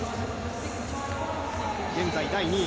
現在第２位。